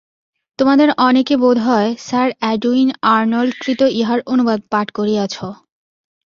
তোমাদের অনেকে বোধ হয়, স্যর এডুইন আর্নল্ড-কৃত ইহার অনুবাদ পাঠ করিয়াছ।